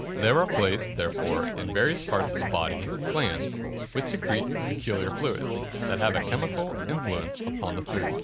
There are placed, therefore, in various parts of the body, glands, which secrete peculiar fluids, that have a chemical influence upon the food.